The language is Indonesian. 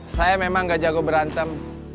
saya memang gak jago berantem